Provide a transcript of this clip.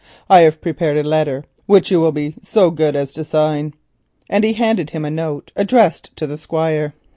I have prepared a letter which you will be so good as to sign," and he handed him a note addressed to the Squire.